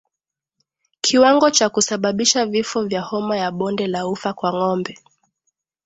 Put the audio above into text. Kiwango cha kusababisha vifo vya homa ya bonde la ufa kwa ngombe